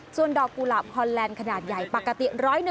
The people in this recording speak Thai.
ส่วนดอกกุหลาบฮอนแลนด์ขนาดใหญ่ปกติ๑๐๑